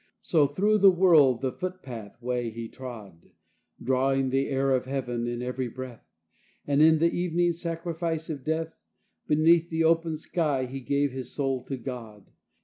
So through the world the foot path way he trod, Drawing the air of heaven in every breath; And in the evening sacrifice of death Beneath the open sky he gave his soul to God.